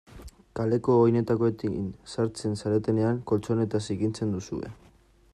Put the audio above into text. Kaleko oinetakoekin sartzen zaretenean koltxoneta zikintzen duzue.